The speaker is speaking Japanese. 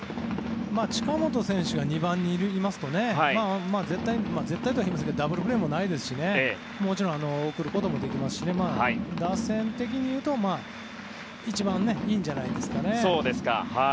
近本選手が２番にいますとダブルプレーもないですしもちろん、送ることもできますし打線的にいうと一番いいんじゃないですかね。